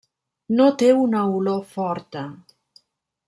No té una olor forta.